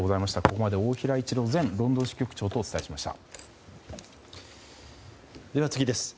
ここまで大平一郎前ロンドン支局長とお伝えしました。